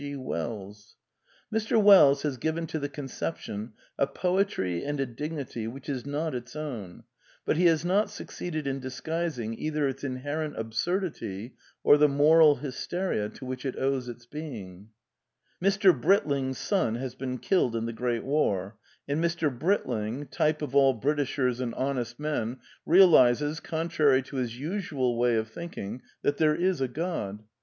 G. Wells. Mr. Wells has given to the conception a poetry and a dignity which is not its own, but he has not succeeded in 1/7 disguising eit her its inherent «hfl^?rf^i^,Y ^^^^^ Tnnrfl] j^ya teria to which it owes itsbfiing. *^ JMr. ±5ritlmg^s " son has been killed in the Great War, and "Mr. Britling" — type of all Britishers and honest men — realizes, contrary to his usual way of thinking, that there is a God.